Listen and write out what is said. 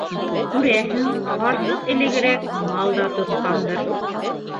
Күрәһең, ҡарсыҡ элегерәк мал да тотҡандыр.